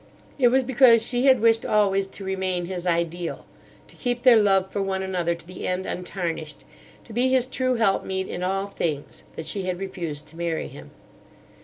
"It was because she had wished always to remain his ideal; to keep their love for one another to the end, untarnished; to be his true helpmeet in all things, that she had refused to marry him.